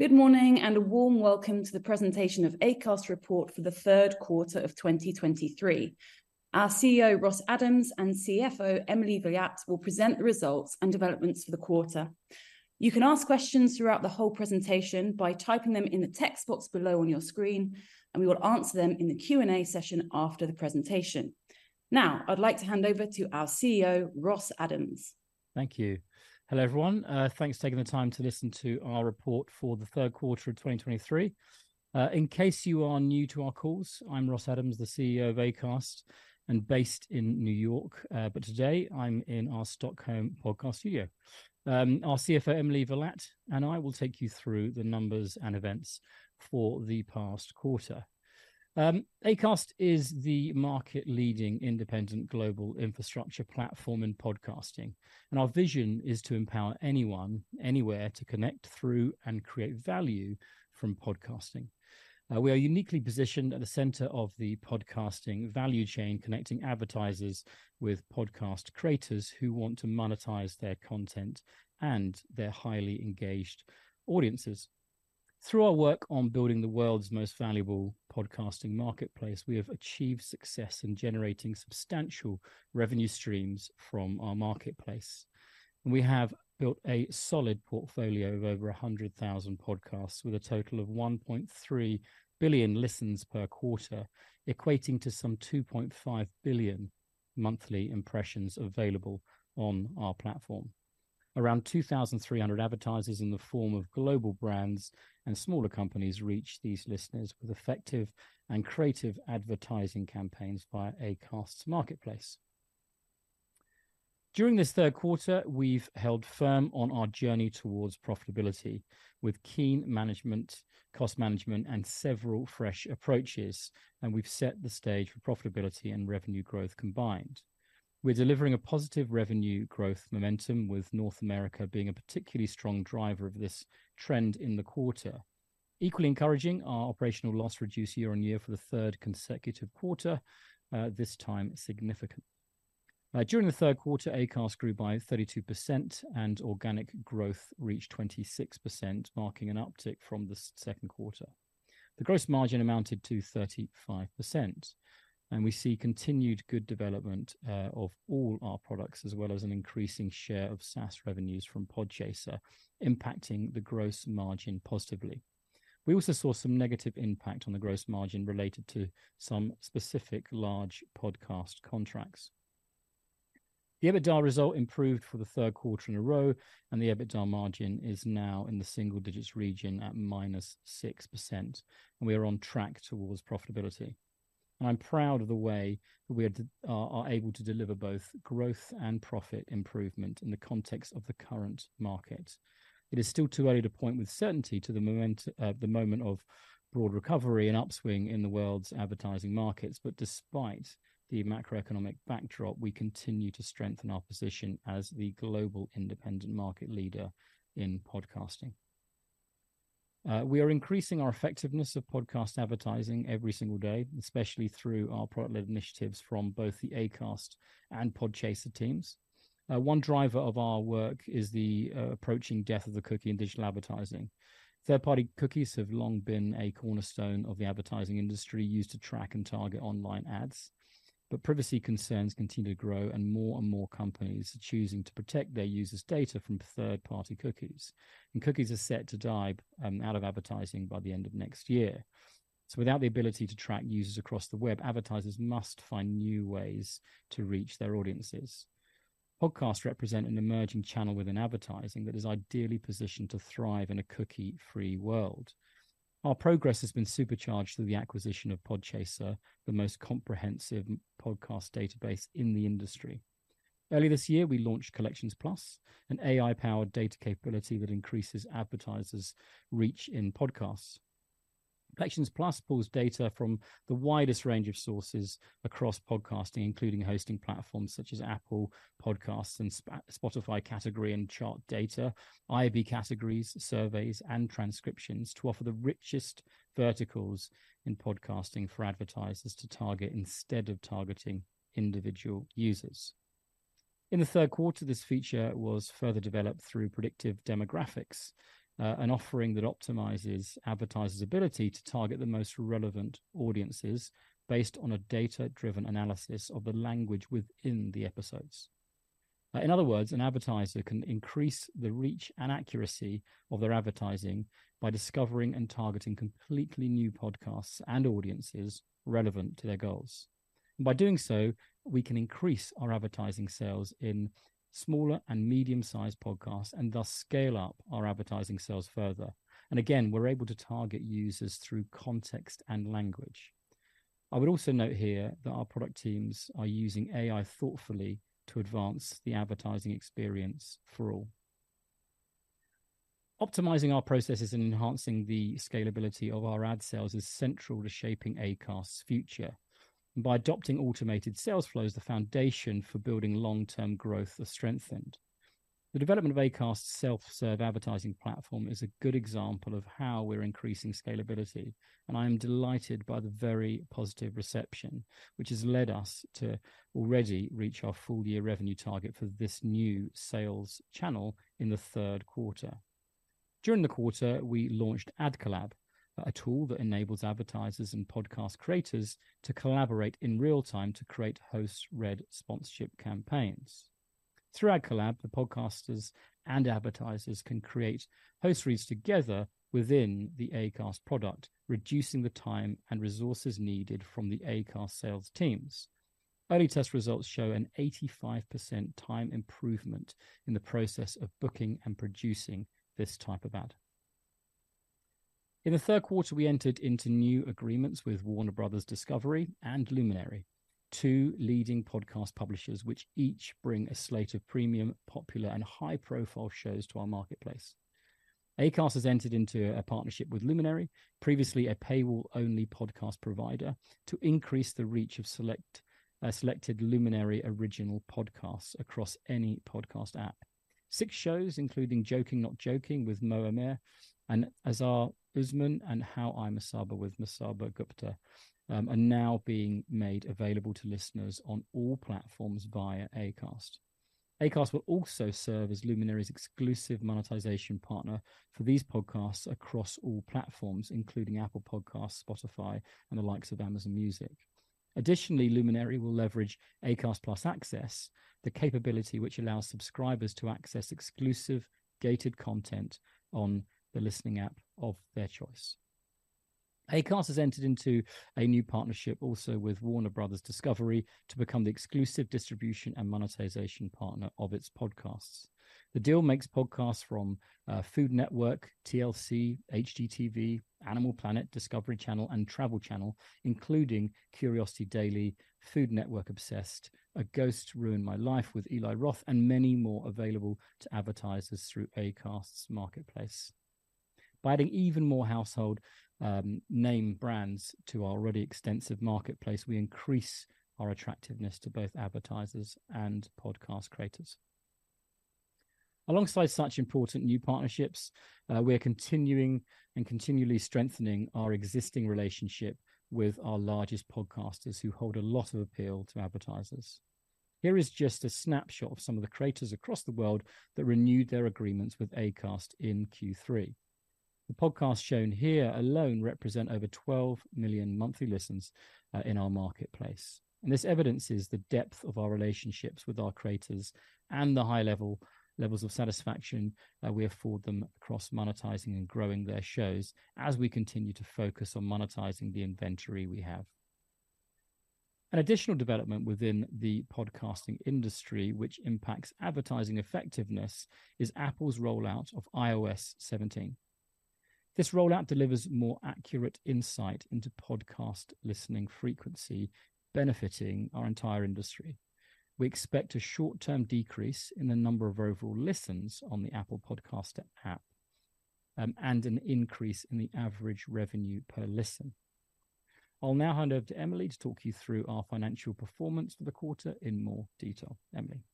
Good morning, and a warm welcome to the presentation of Acast report for the Q3 of 2023. Our CEO, Ross Adams, and CFO, Emily Villatte, will present the results and developments for the quarter. You can ask questions throughout the whole presentation by typing them in the text box below on your screen, and we will answer them in the Q&A session after the presentation. Now, I'd like to hand over to our CEO, Ross Adams. Thank you. Hello, everyone. Thanks for taking the time to listen to our report for the Q3 of 2023. In case you are new to our calls, I'm Ross Adams, the CEO of Acast, and based in New York, but today I'm in our Stockholm podcast studio. Our CFO, Emily Villatte, and I will take you through the numbers and events for the past quarter. Acast is the market-leading independent global infrastructure platform in podcasting, and our vision is to empower anyone, anywhere, to connect through and create value from podcasting. We are uniquely positioned at the center of the podcasting value chain, connecting advertisers with podcast creators who want to monetize their content and their highly engaged audiences. Through our work on building the world's most valuable podcasting marketplace, we have achieved success in generating substantial revenue streams from our marketplace. We have built a solid portfolio of over 100,000 podcasts, with a total of 1.3 billion listens per quarter, equating to some 2.5 billion monthly impressions available on our platform. Around 2,300 advertisers in the form of global brands and smaller companies reach these listeners with effective and creative advertising campaigns via Acast's marketplace. During this Q3, we've held firm on our journey towards profitability with keen management, cost management, and several fresh approaches, and we've set the stage for profitability and revenue growth combined. We're delivering a positive revenue growth momentum, with North America being a particularly strong driver of this trend in the quarter. Equally encouraging, our operational loss reduced year-on-year for the third consecutive quarter, this time significantly. During the Q3, Acast grew by 32%, and organic growth reached 26%, marking an uptick from the Q2. The gross margin amounted to 35%, and we see continued good development of all our products, as well as an increasing share of SaaS revenues from Podchaser, impacting the gross margin positively. We also saw some negative impact on the gross margin related to some specific large podcast contracts. The EBITDA result improved for the Q3 in a row, and the EBITDA margin is now in the single digits region at -6%, and we are on track towards profitability. I'm proud of the way we are able to deliver both growth and profit improvement in the context of the current market. It is still too early to point with certainty to the moment of broad recovery and upswing in the world's advertising markets, but despite the macroeconomic backdrop, we continue to strengthen our position as the global independent market leader in podcasting. We are increasing our effectiveness of podcast advertising every single day, especially through our product-led initiatives from both the Acast and Podchaser teams. One driver of our work is the approaching death of the cookie in digital advertising. Third-party cookies have long been a cornerstone of the advertising industry, used to track and target online ads. But privacy concerns continue to grow, and more and more companies are choosing to protect their users' data from third-party cookies, and cookies are set to die out of advertising by the end of next year. So without the ability to track users across the web, advertisers must find new ways to reach their audiences. Podcasts represent an emerging channel within advertising that is ideally positioned to thrive in a cookie-free world. Our progress has been supercharged through the acquisition of Podchaser, the most comprehensive podcast database in the industry. Early this year, we launched Collections +, an AI-powered data capability that increases advertisers' reach in podcasts. Collections + pulls data from the widest range of sources across podcasting, including hosting platforms such as Apple Podcasts and Spotify category and chart data, IAB categories, surveys, and transcriptions to offer the richest verticals in podcasting for advertisers to target, instead of targeting individual users. In the Q3 this feature was further developed through Predictive Demographics, an offering that optimizes advertisers' ability to target the most relevant audiences based on a data-driven analysis of the language within the episodes. In other words, an advertiser can increase the reach and accuracy of their advertising by discovering and targeting completely new podcasts and audiences relevant to their goals. By doing so, we can increase our advertising sales in smaller and medium-sized podcasts and thus scale up our advertising sales further. And again, we're able to target users through context and language. I would also note here that our product teams are using AI thoughtfully to advance the advertising experience for all. Optimizing our processes and enhancing the scalability of our ad sales is central to shaping Acast's future. By adopting automated sales flows, the foundation for building long-term growth are strengthened. The development of Acast's self-serve advertising platform is a good example of how we're increasing scalability, and I'm delighted by the very positive reception, which has led us to already reach our full-year revenue target for this new sales channel in the Q3. During the quarter, we launched AdCollab, a tool that enables advertisers and podcast creators to collaborate in real time to create host-read sponsorship campaigns. Through AdCollab, the podcasters and advertisers can create host reads together within the Acast product, reducing the time and resources needed from the Acast sales teams. Early test results show an 85% time improvement in the process of booking and producing this type of ad. In the Q3, we entered into new agreements with Warner Bros. Discovery and Luminary, two leading podcast publishers, which each bring a slate of premium, popular, and high-profile shows to our marketplace. Acast has entered into a partnership with Luminary, previously a paywall-only podcast provider, to increase the reach of select, selected Luminary original podcasts across any podcast app. Six shows, including Joking Not Joking with Mo Amer and Azhar Usman, and How I Masaba with Masaba Gupta, are now being made available to listeners on all platforms via Acast. Acast will also serve as Luminary's exclusive monetization partner for these podcasts across all platforms, including Apple Podcasts, Spotify, and the likes of Amazon Music. Additionally, Luminary will leverage Acast+ Access, the capability which allows subscribers to access exclusive gated content on the listening app of their choice. Acast has entered into a new partnership also with Warner Bros. Discovery, to become the exclusive distribution and monetization partner of its podcasts. The deal makes podcasts from Food Network, TLC, HGTV, Animal Planet, Discovery Channel, and Travel Channel, including Curiosity Daily, Food Network Obsessed, A Ghost Ruined My Life with Eli Roth, and many more available to advertisers through Acast's marketplace. By adding even more household name brands to our already extensive marketplace, we increase our attractiveness to both advertisers and podcast creators. Alongside such important new partnerships, we are continuing and continually strengthening our existing relationship with our largest podcasters who hold a lot of appeal to advertisers. Here is just a snapshot of some of the creators across the world that renewed their agreements with Acast in Q3. The podcasts shown here alone represent over 12 million monthly listens in our marketplace. This evidences the depth of our relationships with our creators and the high levels of satisfaction that we afford them across monetizing and growing their shows, as we continue to focus on monetizing the inventory we have. An additional development within the podcasting industry, which impacts advertising effectiveness, is Apple's rollout of iOS 17. This rollout delivers more accurate insight into podcast listening frequency, benefiting our entire industry. We expect a short-term decrease in the number of overall listens on the Apple Podcasts app, and an increase in the average revenue per listen. I'll now hand over to Emily to talk you through our financial performance for the quarter in more detail. Emily?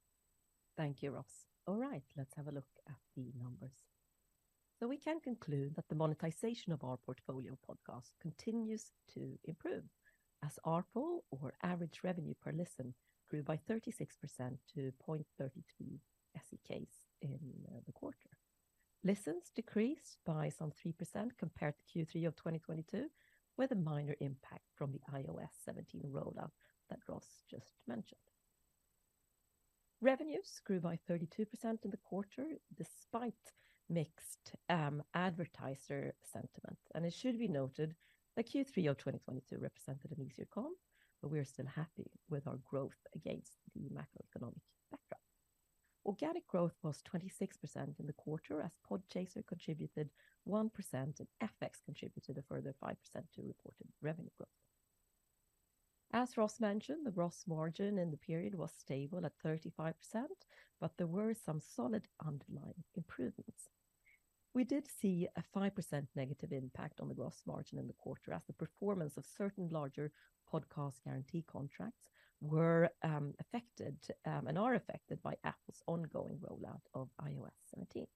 Thank you, Ross. All right, let's have a look at the numbers. So we can conclude that the monetization of our portfolio podcast continues to improve, as ARPU, or Average Revenue Per Listen, grew by 36% to 0.32 SEK in the quarter. Listens decreased by some 3% compared to Q3 of 2022, with a minor impact from the iOS 17 rollout that Ross just mentioned. Revenues grew by 32% in the quarter, despite mixed advertiser sentiment, and it should be noted that Q3 of 2022 represented an easier comp, but we're still happy with our growth against the macroeconomic backdrop. Organic growth was 26% in the quarter, as Podchaser contributed 1% and FX contributed a further 5% to reported revenue growth. As Ross mentioned, the gross margin in the period was stable at 35%, but there were some solid underlying improvements. We did see a 5% negative impact on the gross margin in the quarter, as the performance of certain larger podcast guarantee contracts were affected and are affected by Apple's ongoing rollout of iOS 17.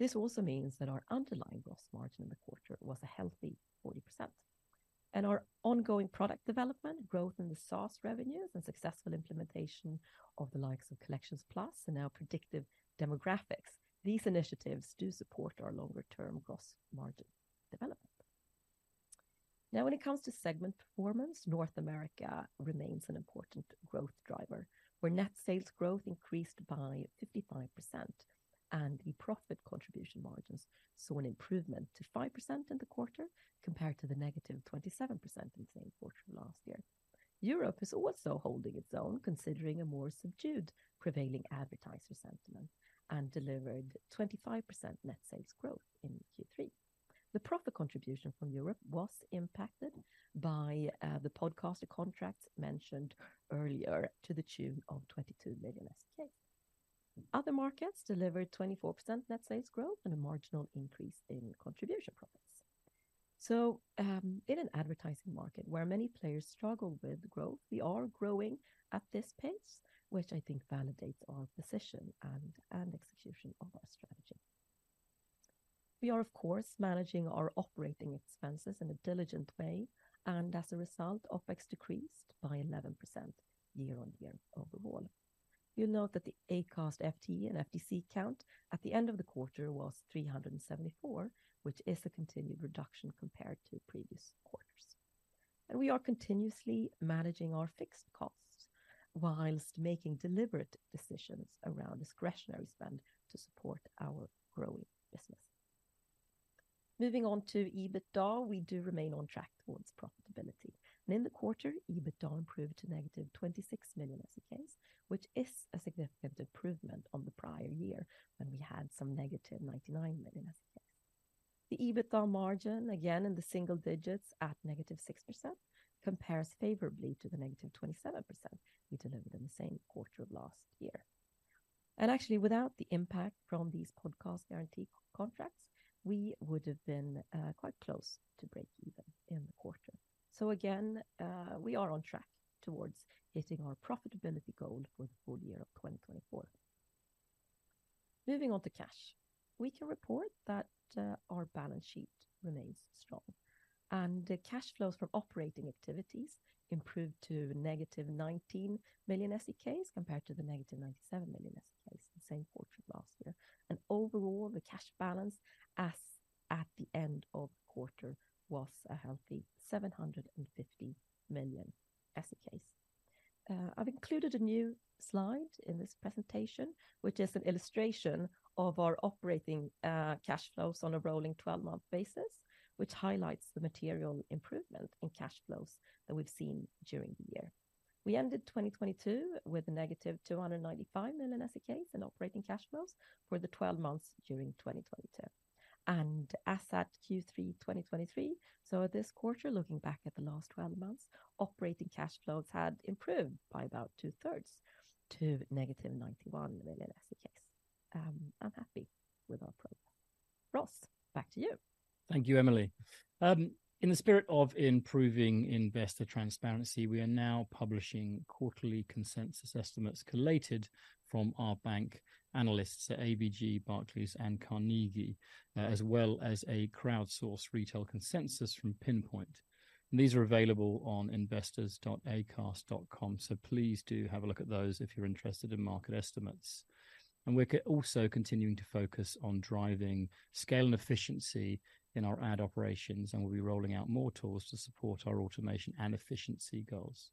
This also means that our underlying gross margin in the quarter was a healthy 40%. Our ongoing product development, growth in the source revenues, and successful implementation of the likes of Collections+ and now Predictive Demographics, these initiatives do support our longer-term gross margin development. Now, when it comes to segment performance, North America remains an important growth driver, where net sales growth increased by 55% and the profit contribution margins saw an improvement to 5% in the quarter, compared to the -27% in the same quarter of last year. Europe is also holding its own, considering a more subdued prevailing advertiser sentiment, and delivered 25% net sales growth in Q3. The profit contribution from Europe was impacted by the podcaster contracts mentioned earlier, to the tune of 22 million SEK. Other markets delivered 24% net sales growth and a marginal increase in contribution profits. So, in an advertising market where many players struggle with growth, we are growing at this pace, which I think validates our position and execution of our strategy. We are, of course, managing our operating expenses in a diligent way, and as a result, OpEx decreased by 11% year-over-year overall. You'll note that the Acast FTE and FTC count at the end of the quarter was 374, which is a continued reduction compared to previous quarters. We are continuously managing our fixed costs while making deliberate decisions around discretionary spend to support our growing business. Moving on to EBITDA, we do remain on track towards profitability. In the quarter, EBITDA improved to negative 26 million, which is a significant improvement on the prior year, when we had some negative 99 million. The EBITDA margin, again, in the single digits at -6%, compares favorably to the -27% we delivered in the same quarter of last year. And actually, without the impact from these podcast guarantee contracts, we would have been quite close to breakeven in the quarter. So again, we are on track towards hitting our profitability goal for the full year of 2024. Moving on to cash. We can report that our balance sheet remains strong, and the cash flows from operating activities improved to -19 million SEK, compared to -97 million SEK in the same quarter last year. And overall, the cash balance as at the end of quarter was a healthy 750 million. I've included a new slide in this presentation, which is an illustration of our operating cash flows on a rolling twelve-month basis, which highlights the material improvement in cash flows that we've seen during the year. We ended 2022 with a negative 295 million SEK in operating cash flows for the 12 months during 2022, and as at Q3 2023, so at this quarter, looking back at the last 12 months, operating cash flows had improved by about two-thirds to negative 91 million. I'm happy with our progress. Ross, back to you. Thank you, Emily. In the spirit of improving investor transparency, we are now publishing quarterly consensus estimates collated from our bank analysts at ABG, Barclays and Carnegie, as well as a crowdsourced retail consensus from Pinpoint. And these are available on investors.acast.com, so please do have a look at those if you're interested in market estimates. And we're also continuing to focus on driving scale and efficiency in our ad operations, and we'll be rolling out more tools to support our automation and efficiency goals.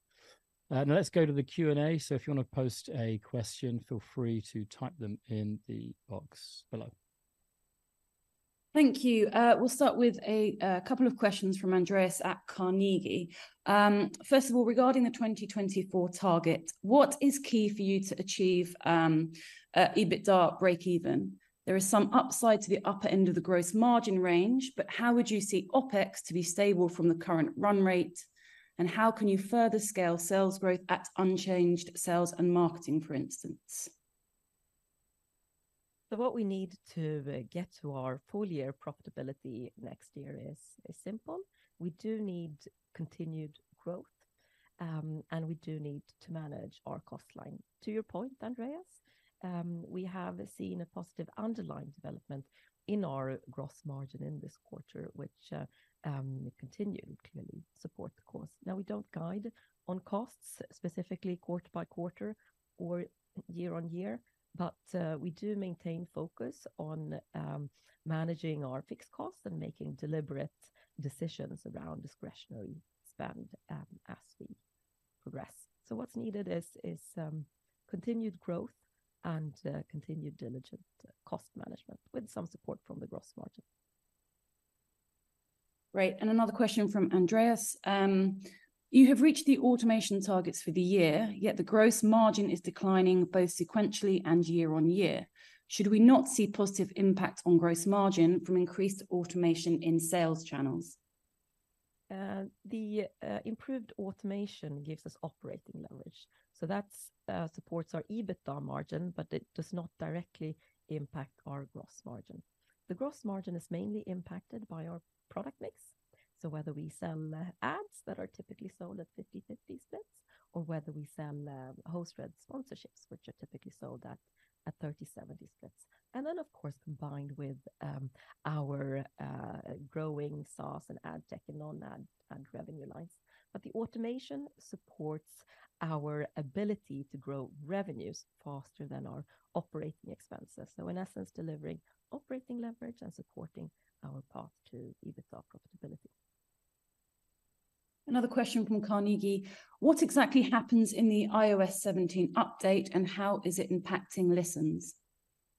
Now let's go to the Q&A. So if you want to post a question, feel free to type them in the box below. Thank you. We'll start with a couple of questions from Andreas at Carnegie. First of all, regarding the 2024 target, what is key for you to achieve EBITDA breakeven? There is some upside to the upper end of the gross margin range, but how would you see OpEx to be stable from the current run rate, and how can you further scale sales growth at unchanged sales and marketing, for instance? What we need to get to our full-year profitability next year is simple. We do need continued growth and we do need to manage our cost line. To your point, Andreas, we have seen a positive underlying development in our gross margin in this quarter, which continued clearly support the cost. Now, we don't guide on costs, specifically quarter-by-quarter or year-on-year, but we do maintain focus on managing our fixed costs and making deliberate decisions around discretionary spend as we progress. What's needed is continued growth and continued diligent cost management, with some support from the gross margin. Great. And another question from Andreas: You have reached the automation targets for the year, yet the gross margin is declining both sequentially and year on year. Should we not see positive impact on gross margin from increased automation in sales channels? The improved automation gives us operating leverage, so that's supports our EBITDA margin, but it does not directly impact our gross margin. The gross margin is mainly impacted by our product mix, so whether we sell ads that are typically sold at 50/50 splits, or whether we sell host-read sponsorships, which are typically sold at 30/70 splits. And then, of course, combined with our growing SaaS and Ad Tech and non-ad revenue lines. But the automation supports our ability to grow revenues faster than our operating expenses. So in essence, delivering operating leverage and supporting our path to EBITDA profitability. Another question from Carnegie: What exactly happens in the iOS 17 update, and how is it impacting listens?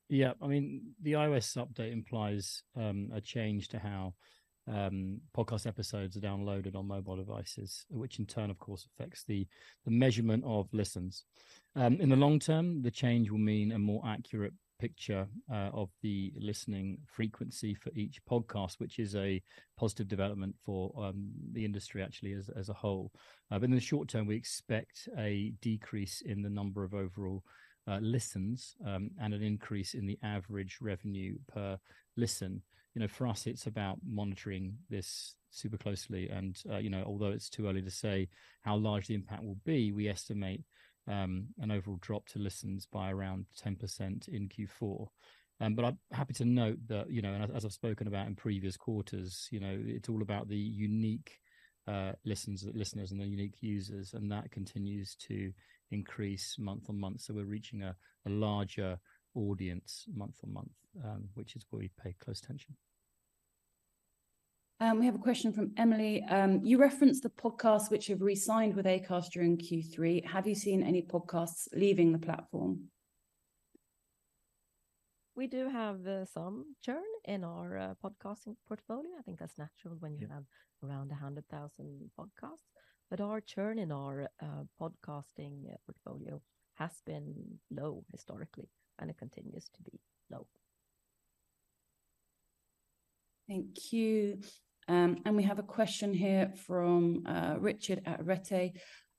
Yeah, I mean, the iOS update implies a change to how podcast episodes are downloaded on mobile devices, which in turn, of course, affects the measurement of listens. In the long term, the change will mean a more accurate picture of the listening frequency for each podcast, which is a positive development for the industry actually, as a whole. In the short term, we expect a decrease in the number of overall listens and an increase in the average revenue per listen. For us, it's about monitoring this super closely and, although it's too early to say how large the impact will be, we estimate an overall drop in listens by around 10% in Q4. But I'm happy to note that, and as I've spoken about in previous quarters, it's all about the unique listens, the listeners and the unique users, and that continues to increase month-on-month. So we're reaching a larger audience month-on-month, which is where we pay close attention. We have a question from Emily. You referenced the podcast which you've re-signed with Acast during Q3. Have you seen any podcasts leaving the platform? We do have some churn in our podcasting portfolio. I think that's natural- When you have around 100,000 podcasts. But our churn in our podcasting portfolio has been low historically, and it continues to be low. Thank you. We have a question here from Richard at Arete.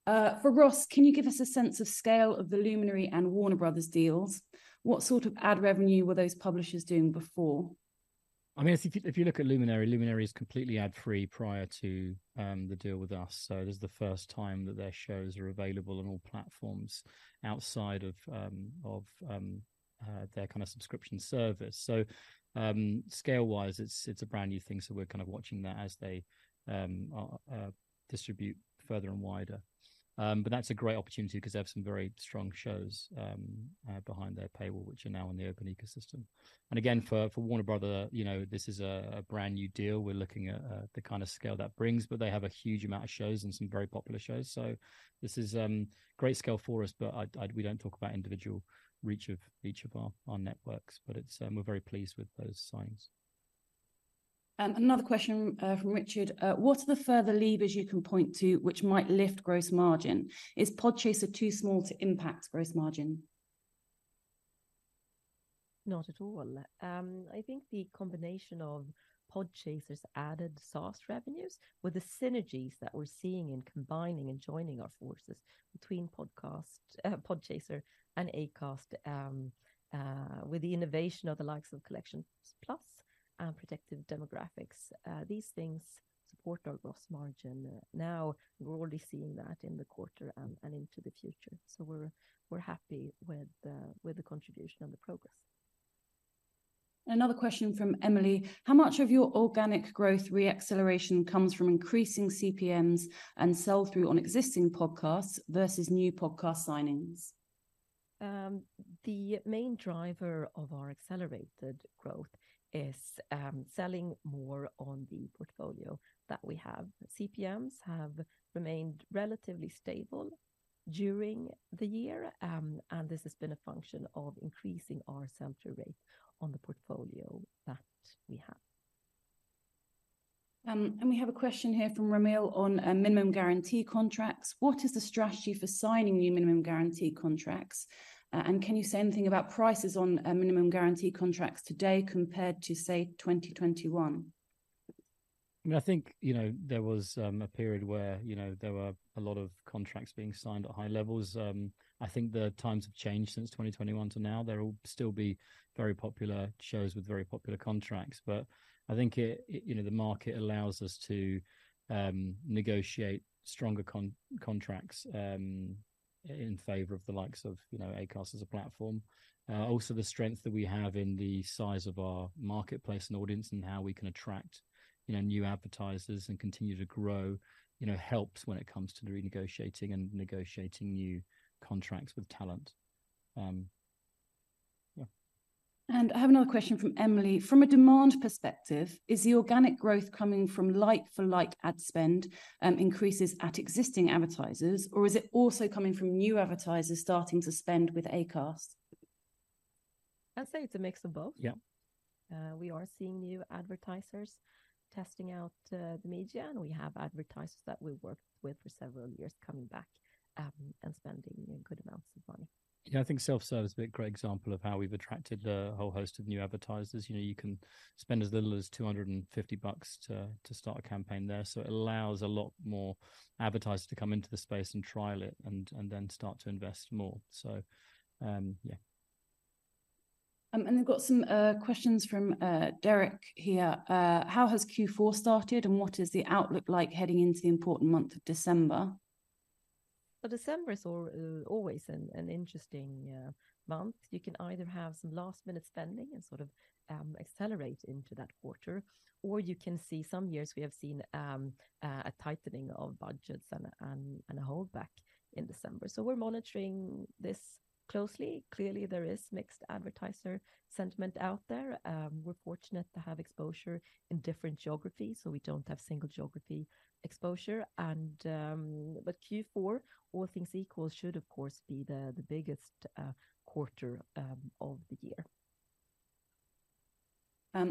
For Ross: "Can you give us a sense of scale of the Luminary and Warner Bros. deals? What sort of ad revenue were those publishers doing before? I mean, if you look at Luminary, Luminary is completely ad-free prior to the deal with us. So this is the first time that their shows are available on all platforms outside of their kind of subscription service. So, scale-wise, it's a brand-new thing, so we're kind of watching that as they distribute further and wider. But that's a great opportunity 'cause they have some very strong shows behind their paywall, which are now in the open ecosystem. And again, for Warner Bros., this is a brand-new deal. We're looking at the kind of scale that brings, but they have a huge amount of shows and some very popular shows. So this is great scale for us, but we don't talk about individual reach of each of our networks, but it's... we're very pleased with those signings. Another question from Richard: "What are the further levers you can point to which might lift gross margin? Is Podchaser too small to impact gross margin? Not at all. I think the combination of Podchaser's added SaaS revenues with the synergies that we're seeing in combining and joining our forces between podcast, Podchaser and Acast, with the innovation of the likes of Collections Plus and Predictive Demographics, these things support our gross margin. Now, we're already seeing that in the quarter and, and into the future. So we're, we're happy with the, with the contribution and the progress. Another question from Emily: "How much of your organic growth re-acceleration comes from increasing CPMs and sell-through on existing podcasts versus new podcast signings? The main driver of our accelerated growth is selling more on the portfolio that we have. CPMs have remained relatively stable during the year, and this has been a function of increasing our sell-through rate on the portfolio that we have. And we have a question here from Ramil on minimum guarantee contracts: "What is the strategy for signing new minimum guarantee contracts? And can you say anything about prices on minimum guarantee contracts today compared to, say, 2021? I mean, I think, there was a period where, there were a lot of contracts being signed at high levels. I think the times have changed since 2021 to now. There will still be very popular shows with very popular contracts, but I think it, the market allows us to negotiate stronger contracts in favour of the likes of, Acast as a platform. Also, the strength that we have in the size of our marketplace and audience and how we can attract, new advertisers and continue to grow, helps when it comes to renegotiating and negotiating new contracts with talent. Yeah. I have another question from Emily: "From a demand perspective, is the organic growth coming from like-for-like ad spend, increases at existing advertisers, or is it also coming from new advertisers starting to spend with Acast? I'd say it's a mix of both. Yeah. We are seeing new advertisers testing out the media, and we have advertisers that we've worked with for several years coming back and spending good amounts of money. Yeah, I think self-service is a great example of how we've attracted a whole host of new advertisers. You can spend as little as $250 to start a campaign there. So it allows a lot more advertisers to come into the space and trial it and then start to invest more. So, yeah. And we've got some questions from Derek here. "How has Q4 started, and what is the outlook like heading into the important month of December? Well, December is always an interesting month. You can either have some last-minute spending and sort of accelerate into that quarter, or you can see some years we have seen a tightening of budgets and a holdback in December. So we're monitoring this closely. Clearly, there is mixed advertiser sentiment out there. We're fortunate to have exposure in different geographies, so we don't have single geography exposure and... But Q4, all things equal, should, of course, be the biggest quarter of the year.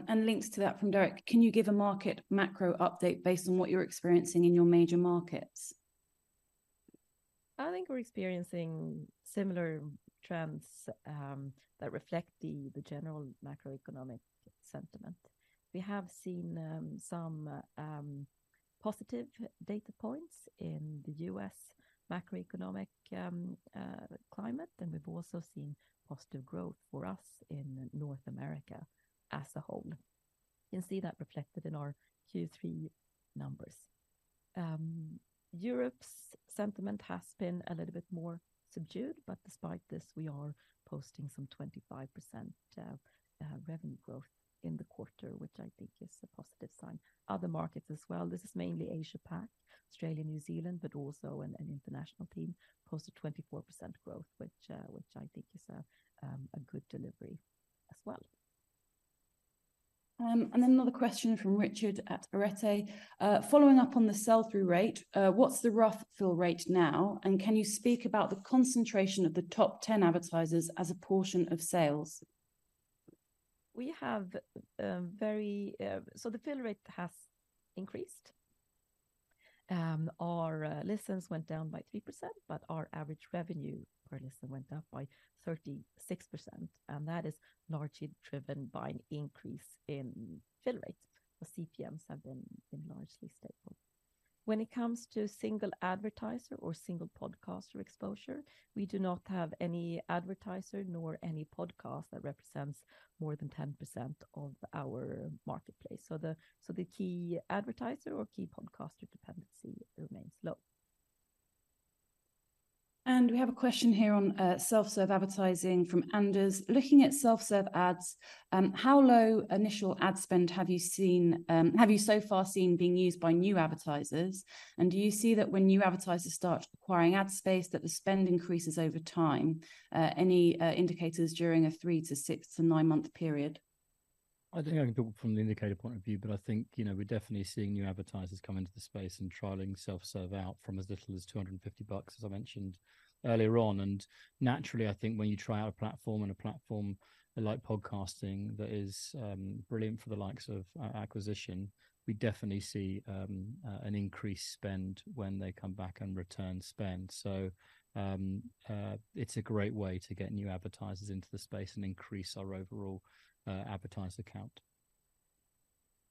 Linked to that from Derek: "Can you give a market macro update based on what you're experiencing in your major markets? I think we're experiencing similar trends that reflect the general macroeconomic sentiment. We have seen some positive data points in the U.S. macroeconomic climate, and we've also seen positive growth for us in North America as a whole. You can see that reflected in our Q3 numbers. Europe's sentiment has been a little bit more subdued, but despite this, we are posting some 25% revenue growth in the quarter, which I think is a positive sign. Other markets as well, this is mainly Asia Pac, Australia, New Zealand, but also an international team, posted 24% growth, which I think is a good delivery as well. And then another question from Richard at Arete. Following up on the sell-through rate, what's the rough fill rate now? And can you speak about the concentration of the top 10 advertisers as a portion of sales? So the fill rate has increased. Our listens went down by 3%, but our average revenue per listen went up by 36%, and that is largely driven by an increase in fill rate. The CPMs have been largely stable. When it comes to single advertiser or single podcaster exposure, we do not have any advertiser nor any podcast that represents more than 10% of our marketplace. So the key advertiser or key podcaster dependency remains low. We have a question here on self-serve advertising from Anders. Looking at self-serve ads, how low initial ad spend have you seen, have you so far seen being used by new advertisers? Do you see that when new advertisers start acquiring ad space, that the spend increases over time? Any indicators during a 3- to 6- to 9-month period? I don't think I can talk from the indicator point of view, but I think, we're definitely seeing new advertisers come into the space and trialing self-serve out from as little as $250, as I mentioned earlier on. And naturally, I think when you try out a platform and a platform like podcasting, that is, brilliant for the likes of acquisition, we definitely see, an increased spend when they come back and return spend. So, it's a great way to get new advertisers into the space and increase our overall, advertiser count.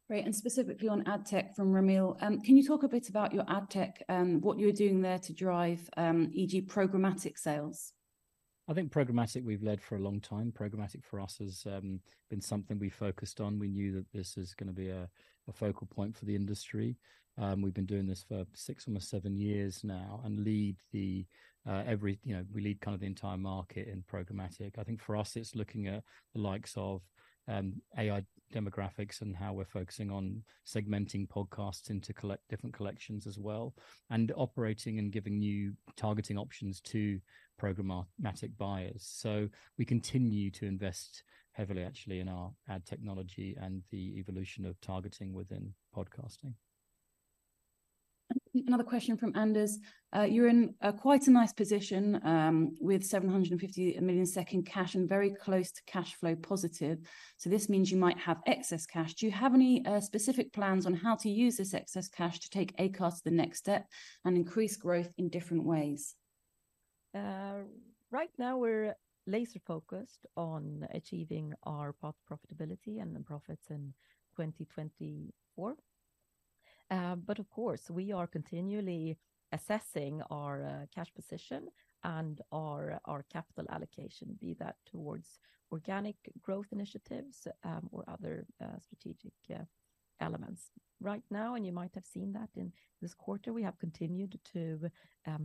Great, and specifically on Ad Tech from Ramil: Can you talk a bit about your Ad Tech, what you're doing there to drive, e.g., Programmatic sales? I think programmatic, we've led for a long time. Programmatic for us has been something we focused on. We knew that this is gonna be a focal point for the industry, and we've been doing this for 6, almost 7 years now and lead the. You know we lead kind of the entire market in programmatic. I think for us, it's looking at the likes of AI demographics and how we're focusing on segmenting podcasts into different collections as well, and operating and giving new targeting options to programmatic buyers. So we continue to invest heavily, actually, in our ad technology and the evolution of targeting within podcasting. Another question from Anders: You're in quite a nice position with 750 million cash and very close to cash flow positive, so this means you might have excess cash. Do you have any specific plans on how to use this excess cash to take Acast to the next step and increase growth in different ways? Right now, we're laser focused on achieving our path to profitability and the profits in 2024. But of course, we are continually assessing our cash position and our capital allocation, be that towards organic growth initiatives, or other strategic elements. Right now, and you might have seen that in this quarter, we have continued to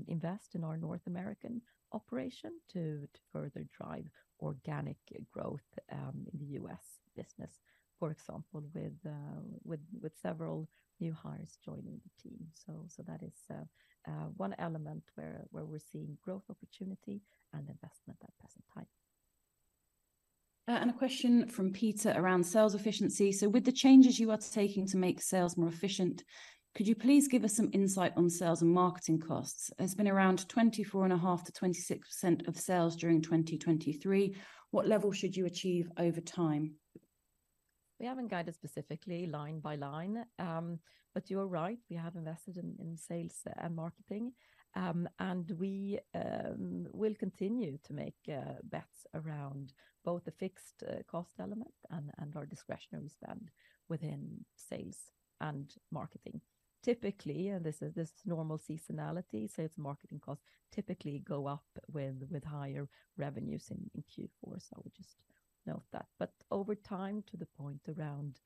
invest in our North American operation to further drive organic growth in the U.S. business, for example, with several new hires joining the team. That is one element where we're seeing growth opportunity and investment at present time. And a question from Peter around sales efficiency. So with the changes you are taking to make sales more efficient, could you please give us some insight on sales and marketing costs? It's been around 24.5%-26% of sales during 2023. What level should you achieve over time? We haven't guided specifically line by line. But you're right, we have invested in, in sales and marketing. And we will continue to make bets around both the fixed cost element and our discretionary spend within sales and marketing. Typically, and this is this normal seasonality, sales marketing costs typically go up with higher revenues in Q4, so I would just note that. But over time, to the point around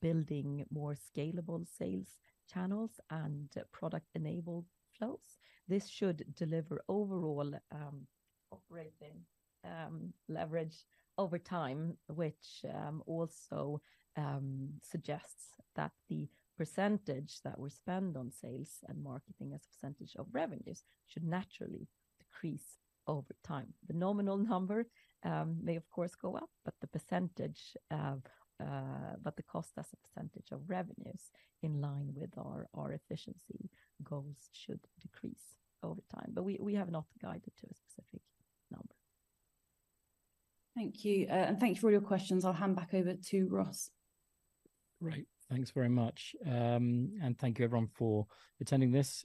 building more scalable sales channels and product-enabled flows, this should deliver overall operating leverage over time, which also suggests that the percentage that we spend on sales and marketing as a percentage of revenues should naturally decrease over time. The nominal number, may, of course, go up, but the percentage of, but the cost as a percentage of revenues in line with our, our efficiency goals should decrease over time, but we, we have not guided to a specific number. Thank you. Thank you for all your questions. I'll hand back over to Ross. Great. Thanks very much. Thank you everyone for attending this.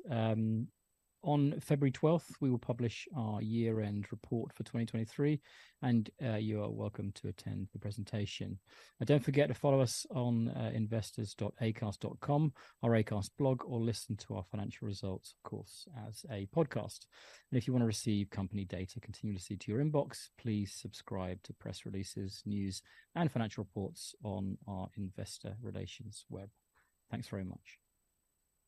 On February twelfth, we will publish our year-end report for 2023, and you are welcome to attend the presentation. Don't forget to follow us on investors.acast.com, our Acast blog, or listen to our financial results, of course, as a podcast. If you want to receive company data continuously to your inbox, please subscribe to press releases, news, and financial reports on our investor relations web. Thanks very much.